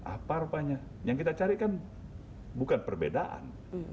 apa rupanya yang kita carikan bukan perbedaan